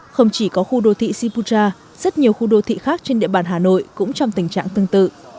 không chỉ có khu đô thị sipucha rất nhiều khu đô thị khác trên địa bàn hà nội cũng trong tình trạng tương tự